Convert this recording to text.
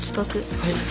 はい。